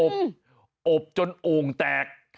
อบอบจนโอ่งแตก